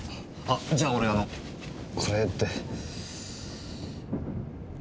じゃあ俺あのこれで。